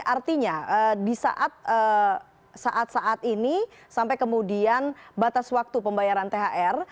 artinya di saat saat ini sampai kemudian batas waktu pembayaran thr